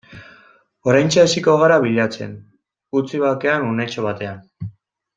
Oraintxe hasiko gara bilatzen, utzi bakean unetxo batean.